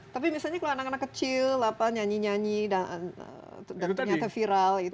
tapi misalnya kalau anak anak kecil nyanyi nyanyi dan ternyata viral gitu